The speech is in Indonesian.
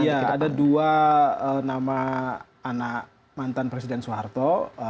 iya ada dua nama anak mantan presiden soeharto